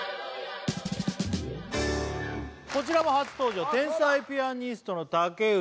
こちらも初登場天才ピアニストのおっそうだ